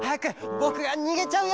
ぼくがにげちゃうよ！